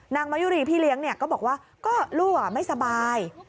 มายุรีพี่เลี้ยงก็บอกว่าก็ลูกไม่สบาย